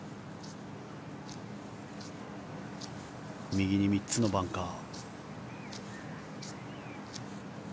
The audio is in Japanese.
右に３つのバンカー。